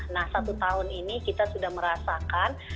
nah satu tahun ini kita sudah merasakan